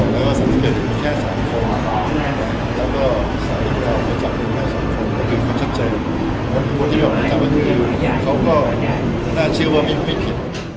ได้โพสติแล้วดูที่เรียนมีที่